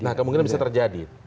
nah kemungkinan bisa terjadi